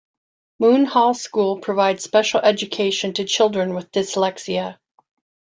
Moon Hall School provides special education to children with dyslexia.